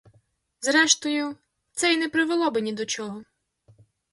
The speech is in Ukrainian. Зрештою, це і не привело би ні до чого.